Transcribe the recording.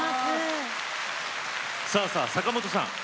さあさあ坂本さん